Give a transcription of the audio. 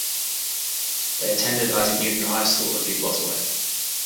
They attended Isaac Newton High School a few blocks away.